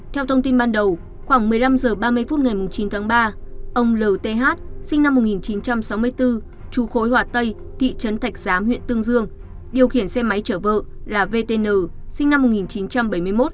theo thông tin ban đầu khoảng một mươi năm h ba mươi phút ngày chín tháng ba ông l t h sinh năm một nghìn chín trăm sáu mươi bốn tru khối hòa tây thị trấn thạch giám huyện tương dương điều khiển xe máy chở vợ là v t n sinh năm một nghìn chín trăm bảy mươi một